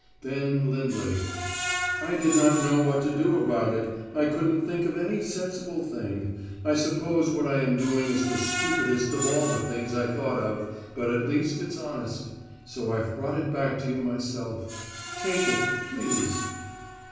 Then Lindley: "I did not know what to do about it. I couldn't think of any sensible thing. I suppose what I am doing is the stupidest of all the things I thought of, but at least it's honest so I've brought it back to you myself. Take it, please."